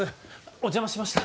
お邪魔しました。